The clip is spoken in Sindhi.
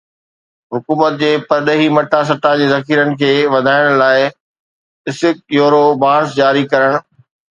حڪومت جي پرڏيهي مٽاسٽا جي ذخيرن کي وڌائڻ لاءِ سکڪ يورو بانڊز جاري ڪرڻ